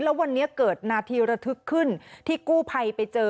แล้ววันนี้เกิดนาทีระทึกขึ้นที่กู้ภัยไปเจอ